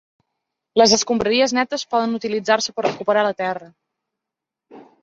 Les escombraries netes poden utilitzar-se per recuperar la terra.